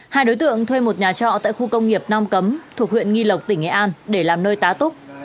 hai đối tượng thuê một nhà trọ tại khu công nghiệp nam cấm thuộc huyện nghi lộc tỉnh nghệ an để làm nơi tá túc